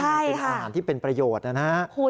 ใช่ค่ะเป็นอาหารที่เป็นประโยชน์นะฮะ